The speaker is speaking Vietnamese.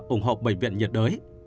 ủng hộ bệnh viện nhiệt đới